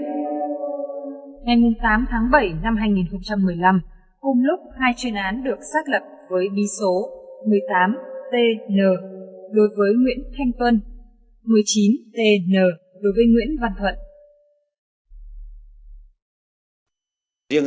ngày tám tháng bảy năm hai nghìn một mươi năm cùng lúc hai chuyên án được xác lập với bí số một mươi tám tn đối với nguyễn thanh tuân một mươi chín tn đối với nguyễn văn thuận